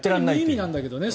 無意味なんだけどね。